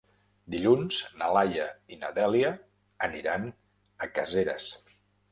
Dilluns na Laia i na Dèlia aniran a Caseres.